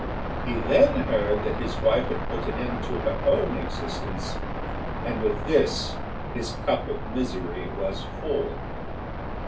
He then heard that his wife had put an end to her own existence, and with this his cup of misery was full.